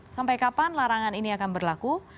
sampai kapan larangan ini akan berlaku